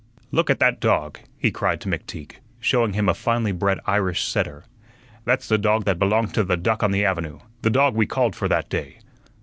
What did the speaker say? "Look at that dog," he cried to McTeague, showing him a finely bred Irish setter. "That's the dog that belonged to the duck on the avenue, the dog we called for that day.